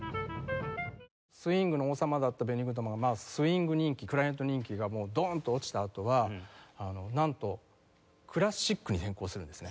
スウィングの王様だったベニー・グッドマンはスウィング人気クラリネット人気がもうドーンと落ちたあとはなんとクラシックに転向するんですね。